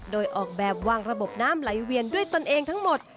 โดยออกแบบวางระบบน้ำไหลเวียนด้วยตนเองทั้งหมด